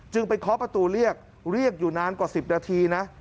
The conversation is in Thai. ไปเคาะประตูเรียกเรียกอยู่นานกว่า๑๐นาทีนะ